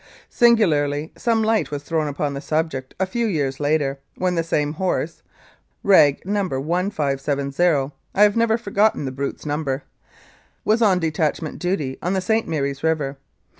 Singularly, some light was thrown upon the subject a few years later, when the same horse (reg. No. 1,570; I have never forgotten the brute's number) was on detachment duty on the St. Mary's River.